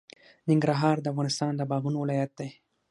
ننګرهار د افغانستان د باغونو ولایت دی.